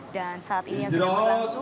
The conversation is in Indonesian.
dan saat ini yang sedang berlangsung